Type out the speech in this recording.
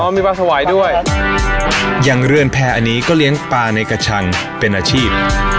มีปลาถวายด้วยอย่างเรือนแพร่อันนี้ก็เลี้ยงปลาในกระชังเป็นอาชีพ